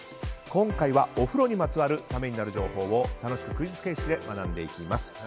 今回はお風呂にまつわるためになる情報を楽しくクイズ形式で学んでいきます。